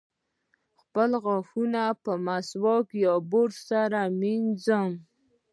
خپل غاښونه په مسواک یا برس سره مینځم.